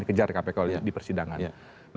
dikejar kpk di persidangan